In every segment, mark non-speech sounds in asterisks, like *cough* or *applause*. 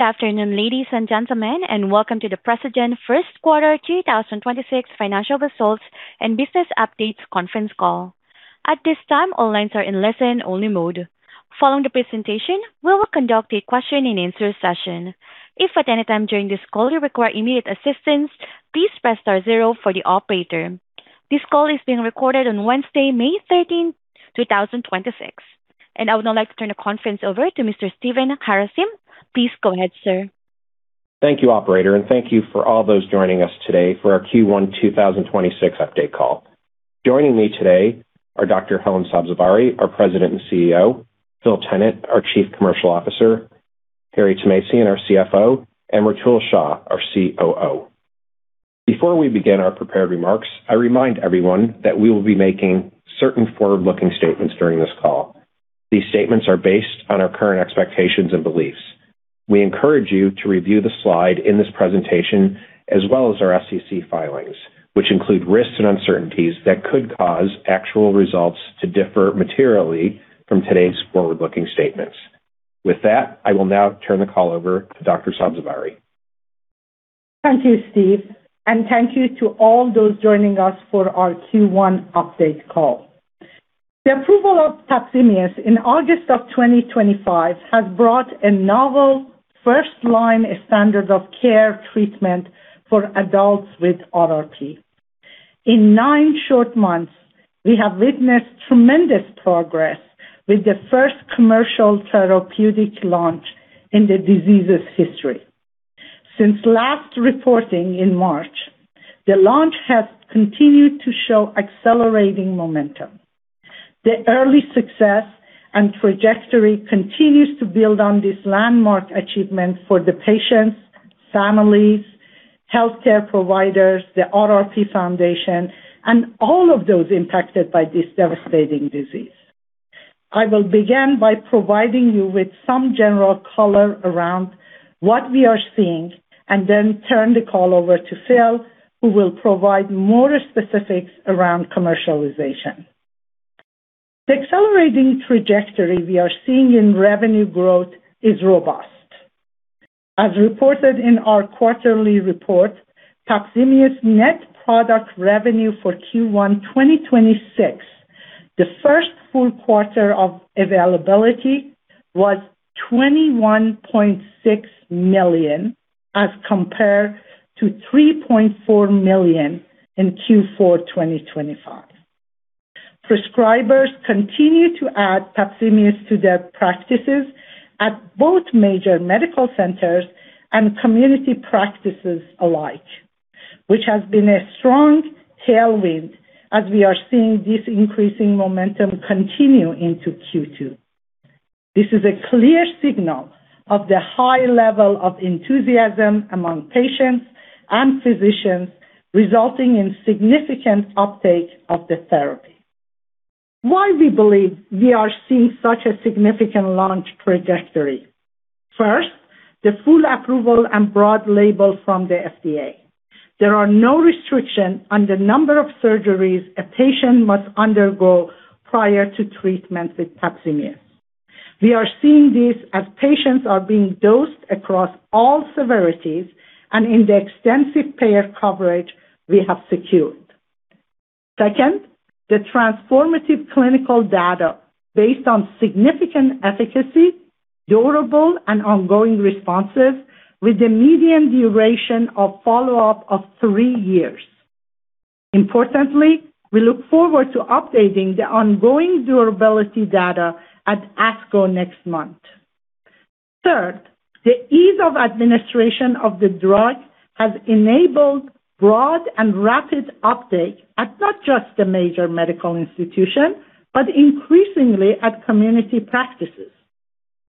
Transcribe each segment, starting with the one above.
Good afternoon, ladies and gentlemen, and welcome to the Precigen First Quarter 2026 financial results and business updates conference call. At this time, all lines are in listen-only mode. Following the presentation, we will conduct a question-and-answer session. If at any time during this call you require immediate assistance, please press star zero for the operator. This call is being recorded on Wednesday, May 13, 2026. I would now like to turn the conference over to Mr. Steven Harasym. Please go ahead, sir. Thank you, operator, and thank you for all those joining us today for our Q1 2026 update call. Joining me today are Dr. Helen Sabzevari, our President and CEO; Phil Tennant, our Chief Commercial Officer; Harry Thomasian, our CFO; and Rutul R. Shah, our COO. Before we begin our prepared remarks, I remind everyone that we will be making certain forward-looking statements during this call. These statements are based on our current expectations and beliefs. We encourage you to review the slide in this presentation as well as our SEC filings, which include risks and uncertainties that could cause actual results to differ materially from today's forward-looking statements. With that, I will now turn the call over to Dr. Sabzevari. Thank you, Steve, and thank you to all those joining us for our Q1 update call. The approval of PAPZIMEOS in August of 2025 has brought a novel first-line standard of care treatment for adults with RRP. In nine short months, we have witnessed tremendous progress with the first commercial therapeutic launch in the disease's history. Since last reporting in March, the launch has continued to show accelerating momentum. The early success and trajectory continues to build on this landmark achievement for the patients, families, healthcare providers, the RRP Foundation, and all of those impacted by this devastating disease. I will begin by providing you with some general color around what we are seeing and then turn the call over to Phil, who will provide more specifics around commercialization. The accelerating trajectory we are seeing in revenue growth is robust. As reported in our quarterly report, PAPZIMEOS' net product revenue for Q1 2026, the first full quarter of availability, was $21.6 million as compared to $3.4 million in Q4 2025. Prescribers continue to add PAPZIMEOS to their practices at both major medical centers and community practices alike, which has been a strong tailwind as we are seeing this increasing momentum continue into Q2. This is a clear signal of the high level of enthusiasm among patients and physicians, resulting in significant uptake of the therapy. Why we believe we are seeing such a significant launch trajectory? First, the full approval and broad label from the FDA. There are no restriction on the number of surgeries a patient must undergo prior to treatment with PAPZIMEOS. We are seeing this as patients are being dosed across all severities and in the extensive payer coverage we have secured. Second, the transformative clinical data based on significant efficacy, durable and ongoing responses with a median duration of follow-up of three years. Importantly, we look forward to updating the ongoing durability data at ASCO next month. Third, the ease of administration of the drug has enabled broad and rapid uptake at not just the major medical institution, but increasingly at community practices.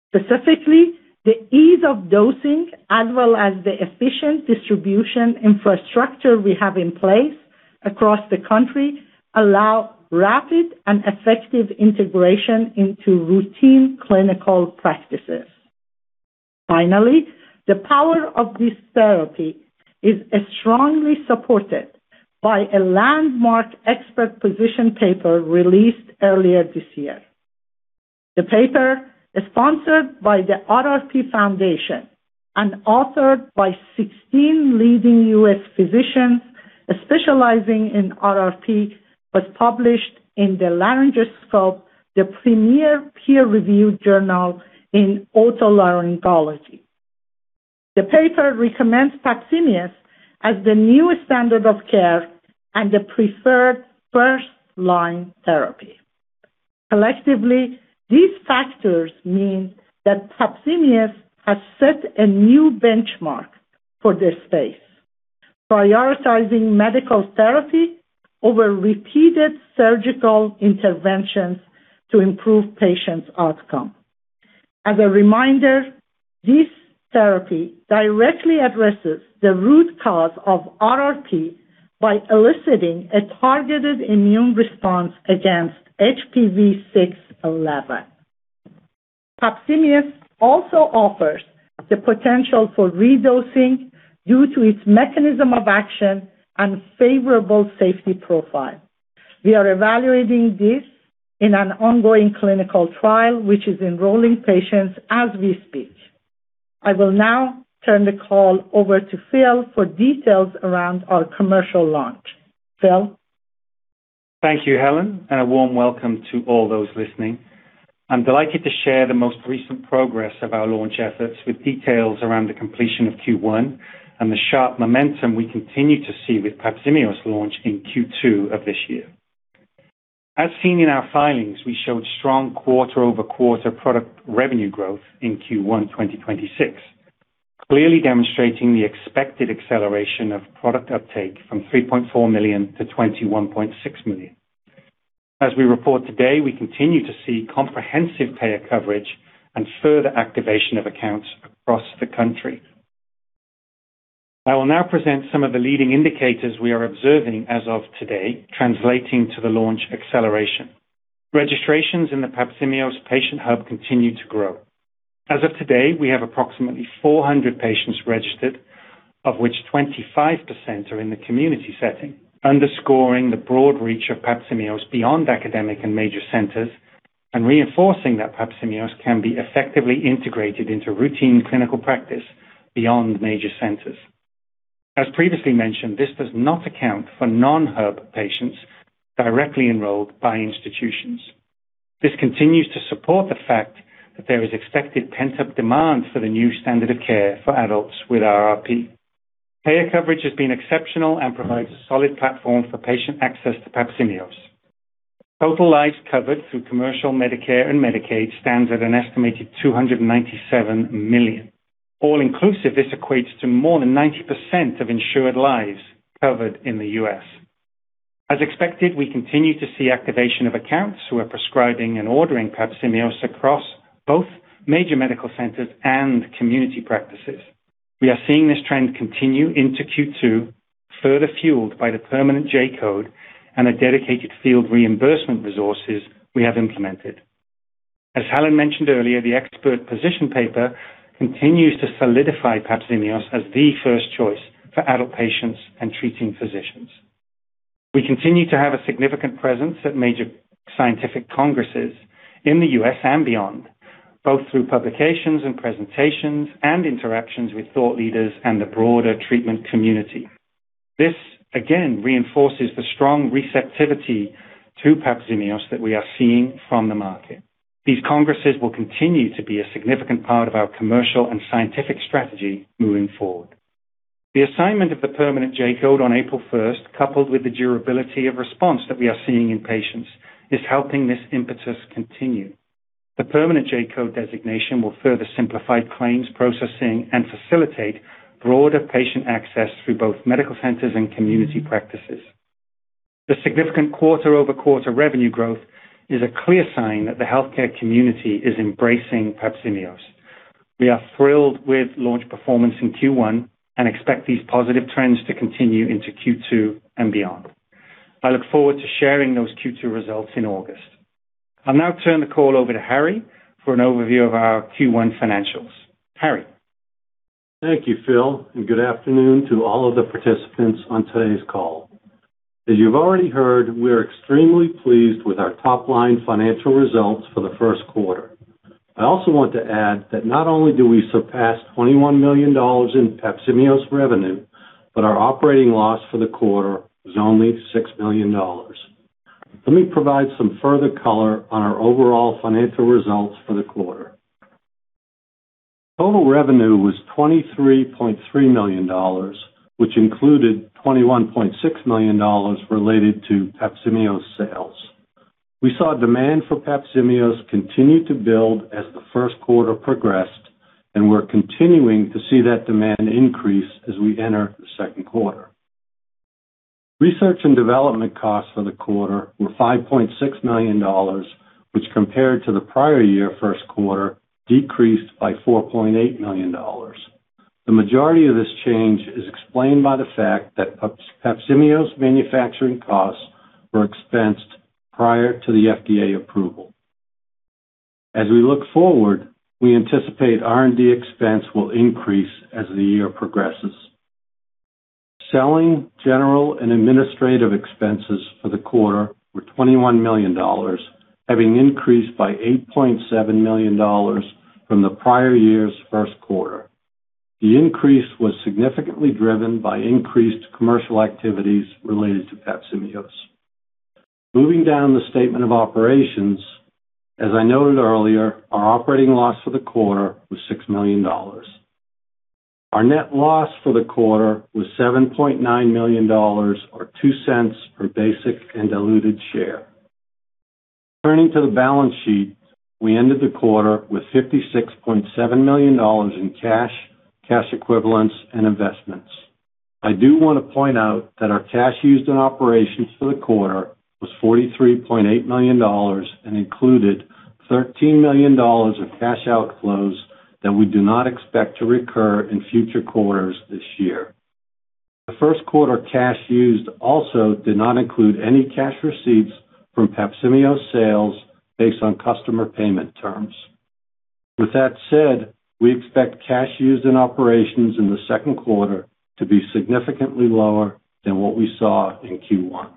Specifically, the ease of dosing as well as the efficient distribution infrastructure we have in place across the country allow rapid and effective integration into routine clinical practices. Finally, the power of this therapy is strongly supported by a landmark expert position paper released earlier this year. The paper is sponsored by the RRP Foundation and authored by 16 leading U.S. physicians specializing in RRP, was published in The Laryngoscope, the premier peer-reviewed journal in otolaryngology. The paper recommends PAPZIMEOS as the new standard of care and the preferred first-line therapy. Collectively, these factors mean that PAPZIMEOS has set a new benchmark for this space, prioritizing medical therapy over repeated surgical interventions to improve patients' outcome. As a reminder, this therapy directly addresses the root cause of RRP by eliciting a targeted immune response against HPV 6 and 11. PAPZIMEOS also offers the potential for redosing due to its mechanism of action and favorable safety profile. We are evaluating this in an ongoing clinical trial, which is enrolling patients as we speak. I will now turn the call over to Phil for details around our commercial launch. Phil? Thank you, Helen, and a warm welcome to all those listening. I'm delighted to share the most recent progress of our launch efforts with details around the completion of Q1 and the sharp momentum we continue to see with PAPZIMEOS' launch in Q2 of this year. As seen in our filings, we showed strong quarter-over-quarter product revenue growth in Q1 2026, clearly demonstrating the expected acceleration of product uptake from $3.4 million-$21.6 million. As we report today, we continue to see comprehensive payer coverage and further activation of accounts across the country. I will now present some of the leading indicators we are observing as of today translating to the launch acceleration. Registrations in the PAPZIMEOS' patient hub continue to grow. As of today, we have approximately 400 patients registered, of which 25% are in the community setting, underscoring the broad reach of PAPZIMEOS beyond academic and major centers and reinforcing that PAPZIMEOS can be effectively integrated into routine clinical practice beyond major centers. As previously mentioned, this does not account for non-hub patients directly enrolled by institutions. This continues to support the fact that there is expected pent-up demand for the new standard of care for adults with RRP. Payer coverage has been exceptional and provides a solid platform for patient access to PAPZIMEOS. Total lives covered through commercial Medicare and Medicaid stands at an estimated $297 million. All inclusive, this equates to more than 90% of insured lives covered in the U.S. As expected, we continue to see activation of accounts who are prescribing and ordering PAPZIMEOS across both major medical centers and community practices. We are seeing this trend continue into Q2, further fueled by the permanent J-code and a dedicated field reimbursement resources we have implemented. As Helen mentioned earlier, the expert position paper continues to solidify PAPZIMEOS as the first choice for adult patients and treating physicians. We continue to have a significant presence at major scientific congresses in the U.S. and beyond, both through publications and presentations and interactions with thought leaders and the broader treatment community. This, again, reinforces the strong receptivity to PAPZIMEOS that we are seeing from the market. These congresses will continue to be a significant part of our commercial and scientific strategy moving forward. The assignment of the permanent J-code on April first, coupled with the durability of response that we are seeing in patients, is helping this impetus continue. The permanent J-code designation will further simplify claims processing and facilitate broader patient access through both medical centers and community practices. The significant quarter-over-quarter revenue growth is a clear sign that the healthcare community is embracing PAPZIMEOS. We are thrilled with launch performance in Q1 and expect these positive trends to continue into Q2 and beyond. I look forward to sharing those Q2 results in August. I'll now turn the call over to Harry. for an overview of our Q1 financials. Harry? Thank you, Phil, and good afternoon to all of the participants on today's call. As you've already heard, we're extremely pleased with our top-line financial results for the first quarter. I also want to add that not only do we surpass $21 million in PAPZIMEOS' revenue, but our operating loss for the quarter was only $6 million. Let me provide some further color on our overall financial results for the quarter. Total revenue was $23.3 million, which included $21.6 million related to PAPZIMEOS sales. We saw demand for PAPZIMEOS continue to build as the first quarter progressed, and we're continuing to see that demand increase as we enter the second quarter. Research and development costs for the quarter were $5.6 million, which compared to the prior year first quarter, decreased by $4.8 million. The majority of this change is explained by the fact that PAPZIMEOS' manufacturing costs were expensed prior to the FDA approval. As we look forward, we anticipate R&D expense will increase as the year progresses. Selling, general, and administrative expenses for the quarter were $21 million, having increased by $8.7 million from the prior year's first quarter. The increase was significantly driven by increased commercial activities related to PAPZIMEOS. Moving down the statement of operations, as I noted earlier, our operating loss for the quarter was $6 million. Our net loss for the quarter was $7.9 million or $0.02 per basic and diluted share. Turning to the balance sheet, we ended the quarter with $56.7 million in cash equivalents, and investments. I do wanna point out that our cash used in operations for the quarter was $43.8 million and included $13 million of cash outflows that we do not expect to recur in future quarters this year. The first quarter cash used also did not include any cash receipts from PAPZIMEOS sales based on customer payment terms. With that said, we expect cash used in operations in the second quarter to be significantly lower than what we saw in Q1.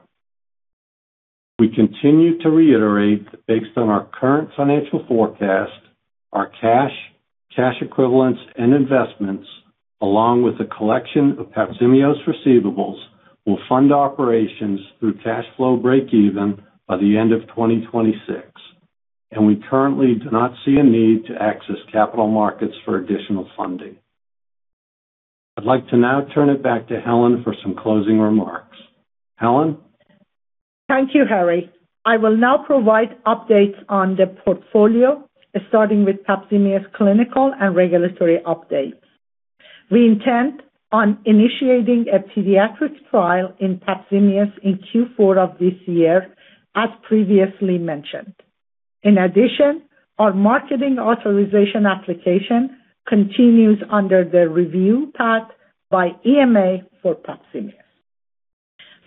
We continue to reiterate that based on our current financial forecast, our cash equivalents, and investments, along with the collection of PAPZIMEOS' receivables, will fund operations through cash flow break even by the end of 2026. We currently do not see a need to access capital markets for additional funding. I'd like to now turn it back to Helen for some closing remarks. Helen? Thank you, Harry. I will now provide updates on the portfolio, starting with PAPZIMEOS' clinical and regulatory updates. We intend on initiating a pediatric trial in PAPZIMEOS in Q4 of this year, as previously mentioned. In addition, our marketing authorization application continues under the review path by EMA for PAPZIMEOS.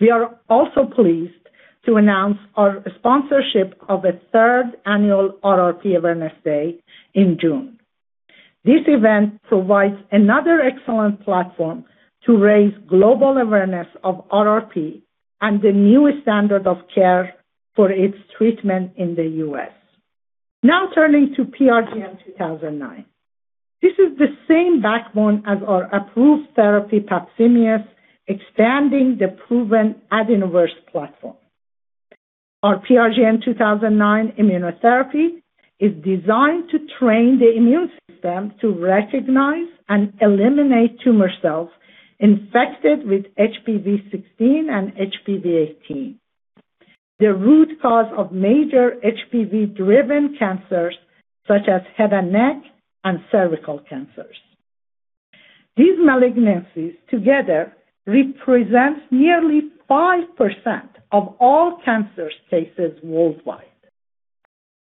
We are also pleased to announce our sponsorship of a third annual RRP Awareness Day in June. This event provides another excellent platform to raise global awareness of RRP and the new standard of care for its treatment in the U.S. Now turning to PRGN-2009. This is the same backbone as our approved therapy, PAPZIMEOS, expanding the proven AdenoVerse platform. Our PRGN-2009 immunotherapy is designed to train the immune system to recognize and eliminate tumor cells infected with HPV-16 and HPV-18, the root cause of major HPV-driven cancers such as head and neck and cervical cancers. These malignancies together represents nearly five percent of all cancer cases worldwide.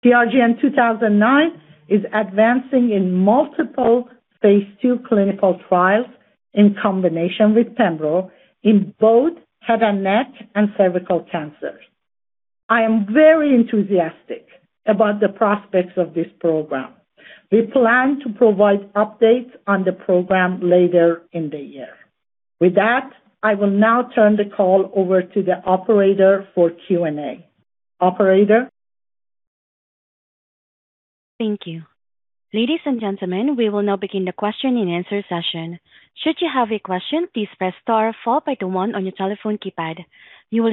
PRGN-2009 is advancing in multiple phase II clinical trials in combination with pembro in both head and neck and cervical cancers. I am very enthusiastic about the prospects of this program. We plan to provide updates on the program later in the year. With that, I will now turn the call over to the operator for Q&A. Operator? Thank you. Ladies and gentlemen, we will now begin the question-and-answer session. Thank you.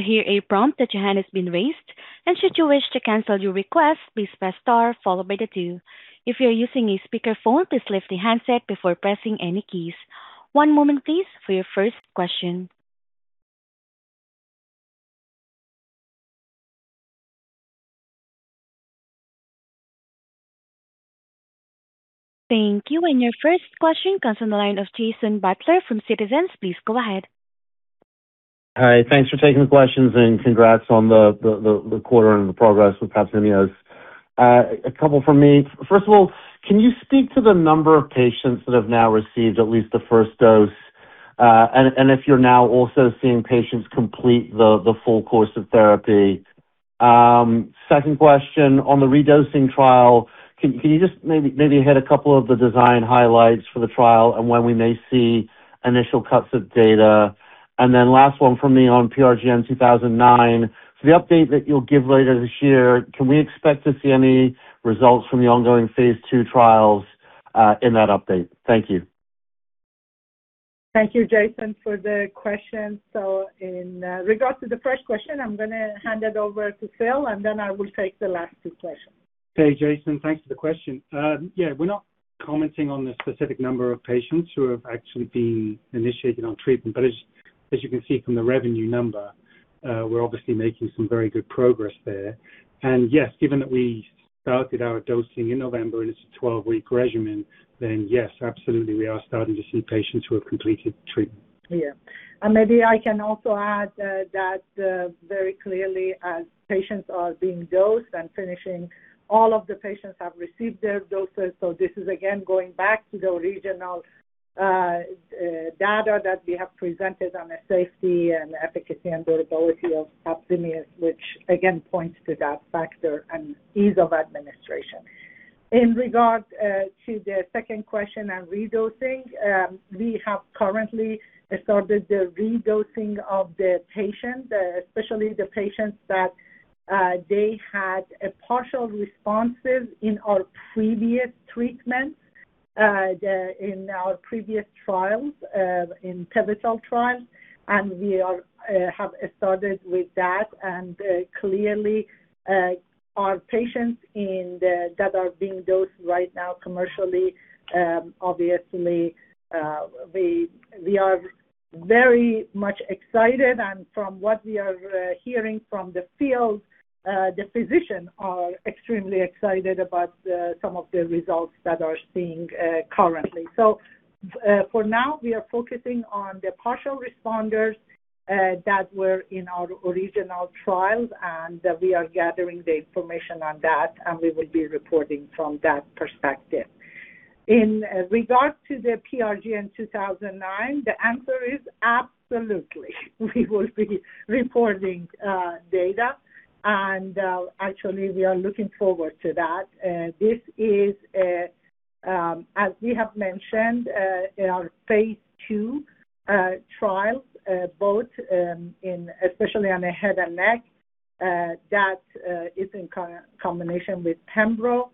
Your first question comes on the line of Jason Butler from Citizens. Please go ahead. Hi. Thanks for taking the questions, congrats on the quarter and the progress with PAPZIMEOS. A couple from me. First of all, can you speak to the number of patients that have now received at least the first dose, and if you're now also seeing patients complete the full course of therapy? Second question on the redosing trial, can you just maybe hit a couple of the design highlights for the trial and when we may see initial cuts of data? Last one from me on PRGN-2009, for the update that you'll give later this year, can we expect to see any results from the ongoing phase II trials in that update? Thank you. Thank you, Jason, for the question. In regards to the first question, I'm gonna hand it over to Phil, and then I will take the last two questions. Hey, Jason. Thanks for the question. Yeah, we're not commenting on the specific number of patients who have actually been initiated on treatment, but as you can see from the revenue number, we're obviously making some very good progress there. Yes, given that we started our dosing in November and it's a 12-week regimen, yes, absolutely, we are starting to see patients who have completed treatment. Yeah. Maybe I can also add that very clearly as patients are being dosed and finishing, all of the patients have received their doses. This is again going back to the regional data that we have presented on the safety and efficacy and durability of PAPZIMEOS, which again points to that factor and ease of administration. In regard to the second question on redosing, we have currently started the redosing of the patients, especially the patients that they had a partial responses in our previous treatments, in our previous trials, in Tivicay trials, and we are have started with that. Clearly, our patients that are being dosed right now commercially, obviously, we are very much excited. From what we are hearing from the field, the physicians are extremely excited about some of the results that are seeing currently. For now, we are focusing on the partial responders that were in our original trials, and we are gathering the information on that, and we will be reporting from that perspective. In regard to the PRGN-2009, the answer is absolutely. We will be reporting data, and actually, we are looking forward to that. This is, as we have mentioned, in our phase II trials, both in especially on the head and neck, that is in combination with pembrolizumab.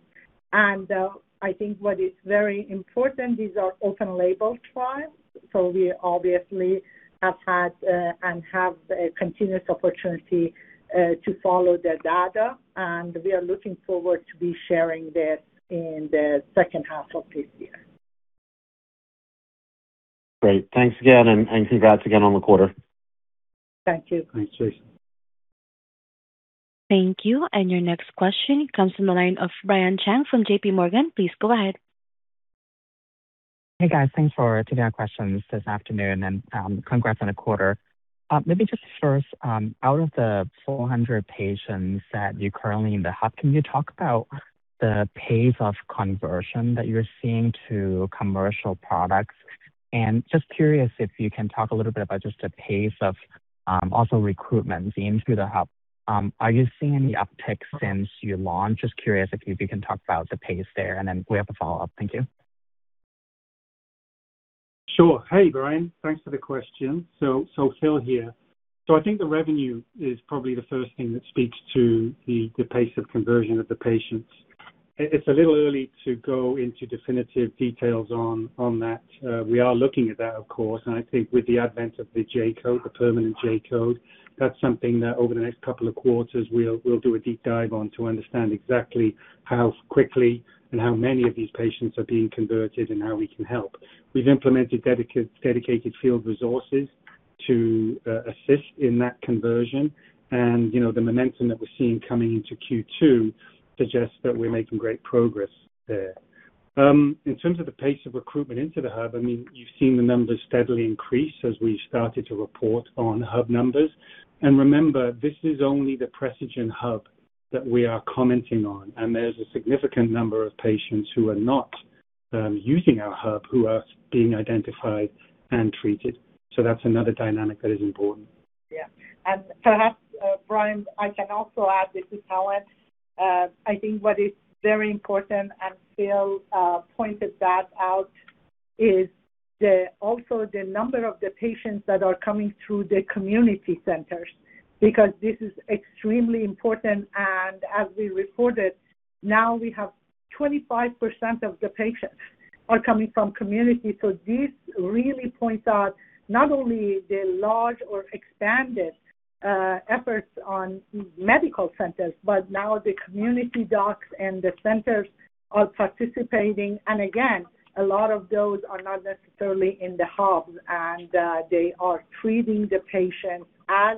I think what is very important, these are open label trials, so we obviously have had and have a continuous opportunity to follow the data. We are looking forward to be sharing this in the second half of this year. Great. Thanks again, and congrats again on the quarter. Thank you. Thanks, Jason. Thank you. Your next question comes from the line of Brian Cheng from JPMorgan. Please go ahead. Hey, guys. Thanks for taking our questions this afternoon and congrats on the quarter. Maybe just first, out of the 400 patients that you currently in the hub, can you talk about the pace of conversion that you're seeing to commercial products? Just curious if you can talk a little bit about just the pace of also recruitment seen through the hub. Are you seeing any uptick since you launched? Just curious if you can talk about the pace there, then we have a follow-up. Thank you. Sure. Hey, Brian. Thanks for the question. Phil here. I think the revenue is probably the first thing that speaks to the pace of conversion of the patients. It's a little early to go into definitive details on that. We are looking at that, of course, and I think with the advent of the J-code, the permanent J-code, that's something that over the next couple of quarters we'll do a deep dive on to understand exactly how quickly and how many of these patients are being converted and how we can help. We've implemented dedicated field resources to assist in that conversion and, you know, the momentum that we're seeing coming into Q2 suggests that we're making great progress there. In terms of the pace of recruitment into the hub, I mean, you've seen the numbers steadily increase as we started to report on hub numbers. Remember, this is only the Precigen hub that we are commenting on, and there's a significant number of patients who are not using our hub who are being identified and treated. That's another dynamic that is important. Yeah. Perhaps, Brian, I can also add this to tell it. I think what is very important, and Phil pointed that out, is also the number of the patients that are coming through the community centers, because this is extremely important. As we reported, now we have 25% of the patients are coming from community. This really points out not only the large or expanded efforts on medical centers, but now the community docs and the centers are participating. Again, a lot of those are not necessarily in the hubs and they are treating the patients as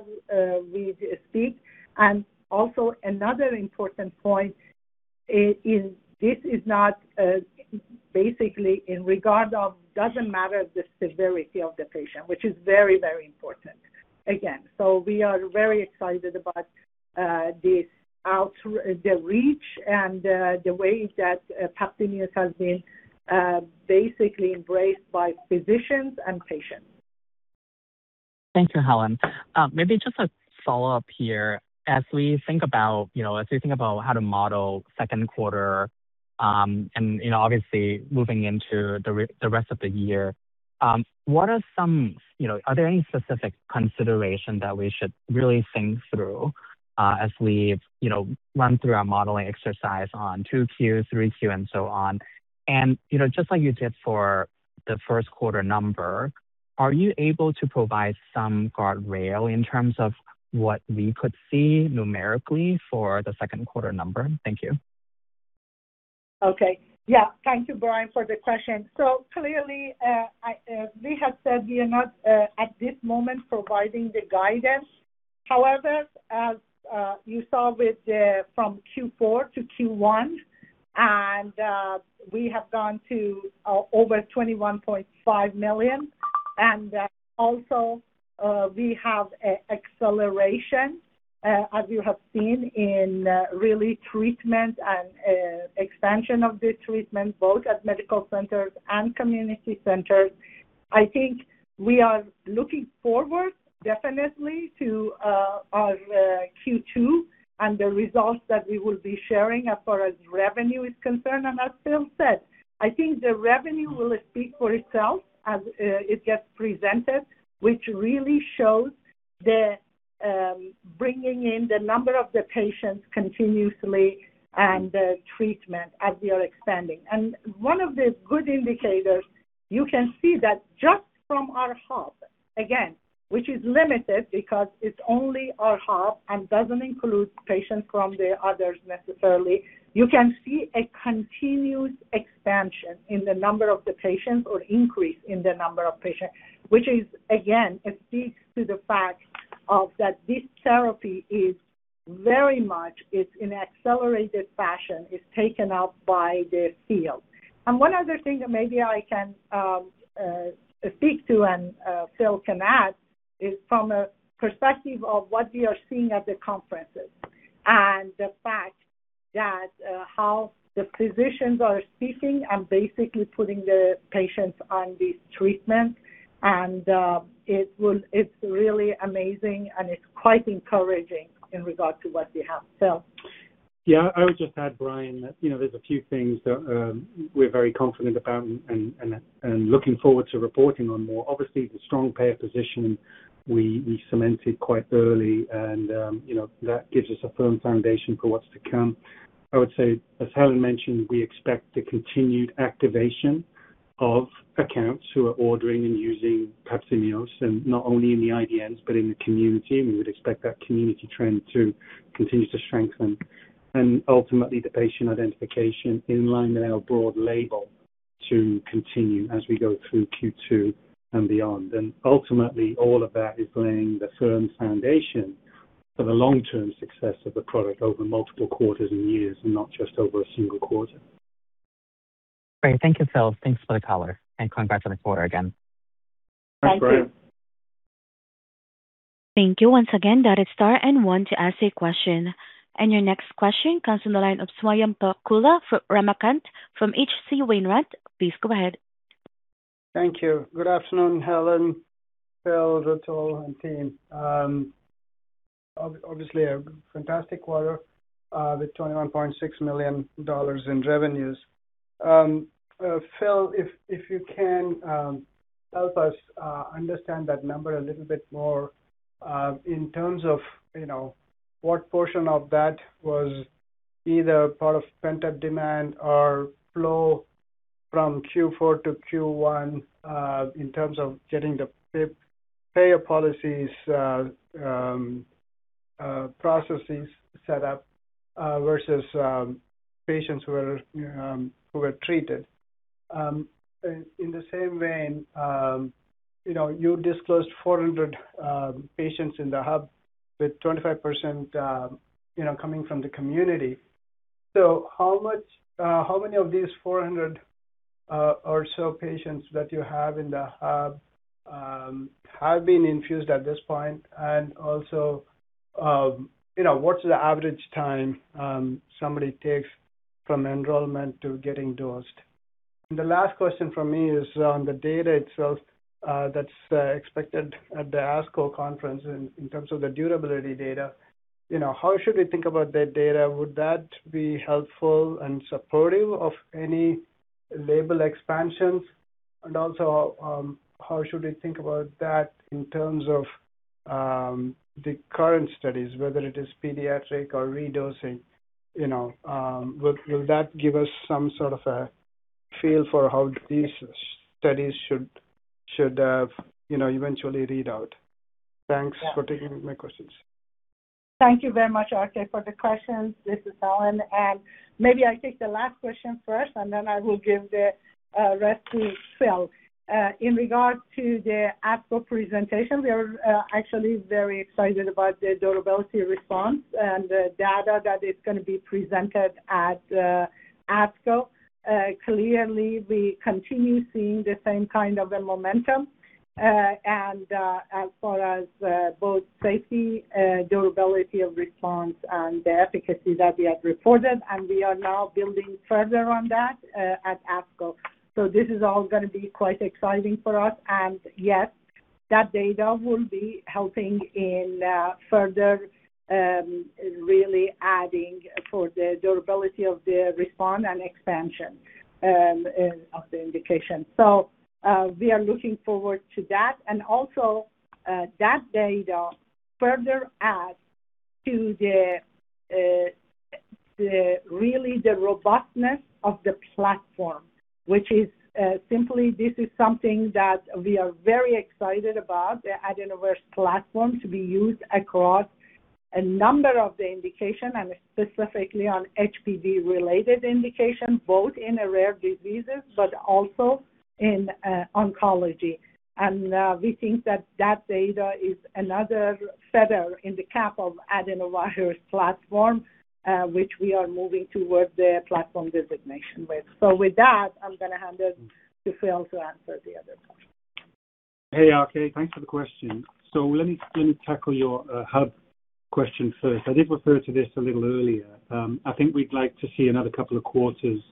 we speak. Also another important point is this is not basically in regard of doesn't matter the severity of the patient, which is very important again. We are very excited about this out the reach and the way that PAPZIMEOS has been basically embraced by physicians and patients. Thank you, Helen. Maybe just a follow-up here. As we think about, you know, as we think about how to model second quarter, and, you know, obviously moving into the rest of the year, are there any specific consideration that we should really think through, as we, you know, run through our modeling exercise on 2Q, 3Q, and so on? You know, just like you did for the first quarter number, are you able to provide some guardrail in terms of what we could see numerically for the second quarter number? Thank you. Okay. Yeah. Thank you, Brian, for the question. Clearly, we have said we are not at this moment providing the guidance. However, as you saw from Q4 to Q1, we have gone to over $21.5 million. Also, we have a acceleration, as you have seen in really treatment and expansion of the treatment both at medical centers and community centers. I think we are looking forward definitely to our Q2 and the results that we will be sharing as far as revenue is concerned. As Phil said, I think the revenue will speak for itself as it gets presented, which really shows the bringing in the number of the patients continuously and the treatment as we are expanding. One of the good indicators you can see that just from our hub, again, which is limited because it's only our hub and doesn't include patients from the others necessarily, you can see a continued expansion in the number of the patients or increase in the number of patients, which is, again, it speaks to the fact that this therapy is very much, it's in accelerated fashion, is taken up by the field. One other thing that maybe I can speak to and Phil can add is from a perspective of what we are seeing at the conferences. The fact that how the physicians are speaking and basically putting the patients on these treatments and It's really amazing, and it's quite encouraging in regard to what we have. Phil? I would just add, Brian Cheng, that, you know, there's a few things that we're very confident about and looking forward to reporting on more. Obviously, the strong payer position we cemented quite early and, you know, that gives us a firm foundation for what's to come. I would say, as Helen mentioned, we expect the continued activation of accounts who are ordering and using PAPZIMEOS, and not only in the IDNs but in the community. We would expect that community trend to continue to strengthen and ultimately the patient identification in line with our broad label to continue as we go through Q2 and beyond. Ultimately, all of that is laying the firm foundation for the long-term success of the product over multiple quarters and years, and not just over a single quarter. Great. Thank you, Phil. Thanks for the color. Congratulations for it again. Thank you. *crosstalk* Thank you once again. That is star one to ask a question. Your next question comes from the line of Swayampakula Ramakanth from H.C. Wainwright. Please go ahead. Thank you. Good afternoon, Helen, Phil, Rutul, and team. obviously a fantastic quarter, with $21.6 million in revenues. Phil, if you can help us understand that number a little bit more, in terms of, you know, what portion of that was either part of pent-up demand or flow from Q4 to Q1, in terms of getting the payer policies processes set up, versus patients who were treated. In the same vein, you know, you disclosed 400 patients in the hub with 25%, you know, coming from the community. How many of these 400 or so patients that you have in the hub have been infused at this point? You know, what's the average time somebody takes from enrollment to getting dosed? The last question from me is on the data itself, that's expected at the ASCO conference in terms of the durability data. You know, how should we think about that data? Would that be helpful and supportive of any label expansions? How should we think about that in terms of the current studies, whether it is pediatric or redosing? You know, will that give us some sort of a feel for how these studies should, you know, eventually read out? Thanks for taking my questions. Thank you very much, RK, for the questions. This is Helen. Maybe I take the last question first, then I will give the rest to Phil. In regards to the ASCO presentation, we are actually very excited about the durability response and the data that is going to be presented at ASCO. Clearly, we continue seeing the same kind of a momentum, and as far as both safety, durability of response and the efficacy that we have reported, and we are now building further on that at ASCO. This is all going to be quite exciting for us. Yes, that data will be helping in further really adding toward the durability of the response and expansion of the indication. We are looking forward to that. That data further adds to the really the robustness of the platform, which is simply this is something that we are very excited about, the AdenoVerse platform to be used across a number of the indication and specifically on HPV-related indication, both in the rare diseases but also in oncology. We think that that data is another feather in the cap of AdenoVerse platform, which we are moving towards the platform designation with. With that, I'm gonna hand it to Phil to answer the other questions. Hey, RK. Thanks for the question. Let me tackle your hub question first. I did refer to this a little earlier. I think we'd like to see another couple of quarters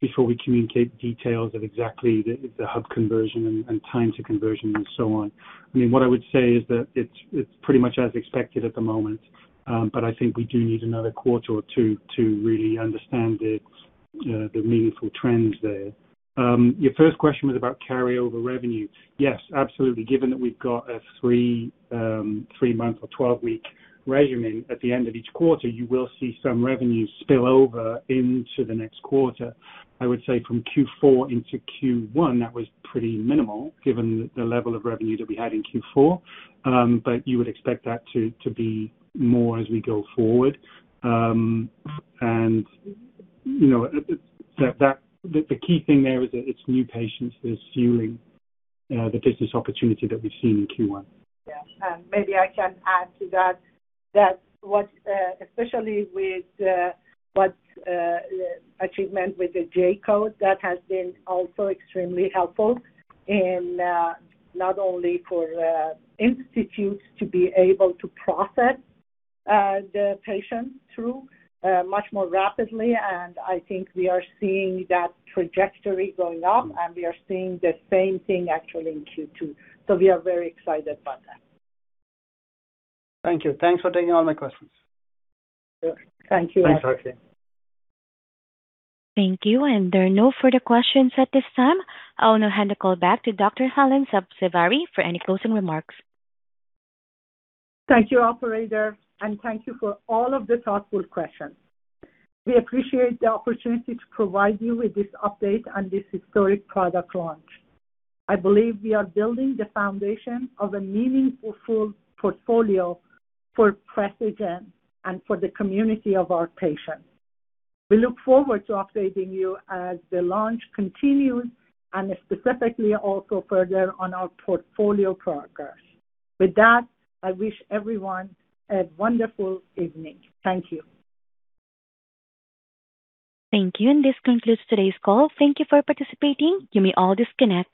before we communicate details of exactly the hub conversion and time to conversion and so on. I mean, what I would say is that it's pretty much as expected at the moment. I think we do need another quarter or two to really understand the meaningful trends there. Your first question was about carryover revenue. Yes, absolutely. Given that we've got a three-month or 12-week regimen, at the end of each quarter, you will see some revenue spill over into the next quarter. I would say from Q4 into Q1, that was pretty minimal given the level of revenue that we had in Q4. You would expect that to be more as we go forward. You know, the key thing there is that it's new patients that are fueling the business opportunity that we've seen in Q1. Yeah. Maybe I can add to that what, especially with what achievement with the J-code, that has been also extremely helpful in not only for institutes to be able to process the patients through much more rapidly, and I think we are seeing that trajectory going up, and we are seeing the same thing actually in Q2. We are very excited about that. Thank you. Thanks for taking all my questions. Sure. Thank you. Thanks, RK. Thank you. There are no further questions at this time. I'll now hand the call back to Dr. Helen Sabzevari for any closing remarks. Thank you, operator, and thank you for all of the thoughtful questions. We appreciate the opportunity to provide you with this update on this historic product launch. I believe we are building the foundation of a meaningful portfolio for Precigen and for the community of our patients. We look forward to updating you as the launch continues and specifically also further on our portfolio progress. With that, I wish everyone a wonderful evening. Thank you. Thank you. This concludes today's call. Thank you for participating. You may all disconnect.